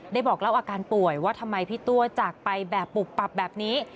บอกเล่าอาการป่วยว่าทำไมพี่ตัวจากไปแบบปุบปับแบบนี้